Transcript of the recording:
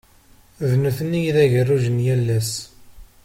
D nutni i d ageruj n yal ass.